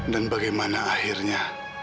dan bagaimana akhirnya